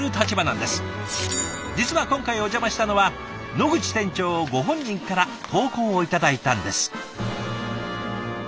実は今回お邪魔したのは野口店長ご本人から投稿を頂いたんです。